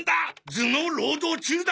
頭脳労働中だ！